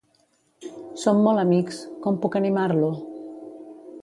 Som molt amics, com puc animar-lo?